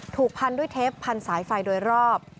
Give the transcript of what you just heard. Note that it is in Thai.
ถูกพันด้วยเทปพันสายไฟโดยรอบ